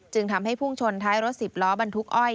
จึงทำให้พุ่งชนท้ายรถสิบล้อบรรทุกอ้อย